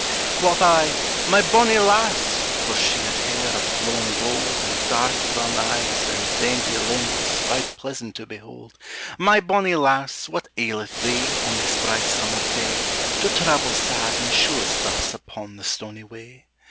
Quoth I, "My bonnie lass!" for she Had hair of flowing gold, And dark brown eyes, and dainty limbs, Right pleasant to behold "My bonnie lass, what aileth thee, On this bright summer day, To travel sad and shoeless thus Upon the stony way?